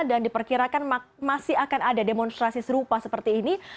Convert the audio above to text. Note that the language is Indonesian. dan diperkirakan masih akan ada demonstrasi serupa seperti ini